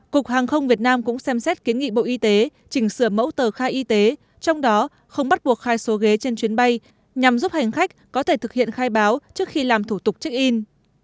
cục hàng không việt nam cũng xem xét kiến nghị bộ y tế chỉnh sửa mẫu tờ khai y tế trong đó không bắt buộc khai số ghế trên chuyến bay nhằm giúp hành khách có thể thực hiện khai báo trước khi làm thủ tục check in